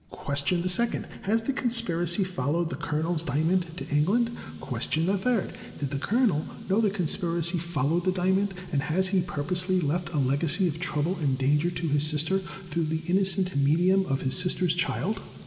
Question the second: Has the conspiracy followed the Colonel's Diamond to England? Question the third: Did the Colonel know the con spiracy followed the Diamond; and has he purposely left a legacy of trouble and danger to his sister, through the innocent medium of his sister's child?"